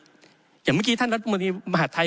อย่างเมื่อกี้ท่านรัฐมนตรีมหาดไทย